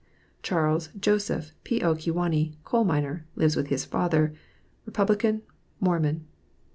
CHARLES JOS. P.O. Kewanee; coal miner; lives with his father; Rep; Mormon.